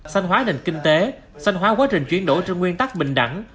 sanh hóa nền kinh tế sanh hóa quá trình chuyển đổi trên nguyên tắc bình đẳng